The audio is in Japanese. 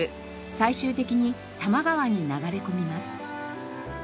最終的に多摩川に流れ込みます。